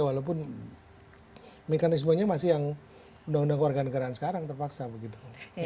walaupun mekanismenya masih yang undang undang keluarga negaraan sekarang terpaksa begitu